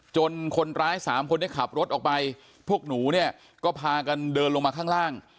คนร้ายสามคนนี้ขับรถออกไปพวกหนูเนี่ยก็พากันเดินลงมาข้างล่าง